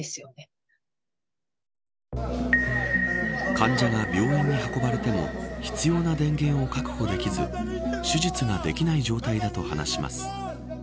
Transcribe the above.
患者が病院に運ばれても必要な電源を確保できず手術ができない状態だと話します。